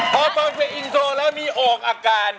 พอตอนเป็นอินโทรแล้วมีออกอาการ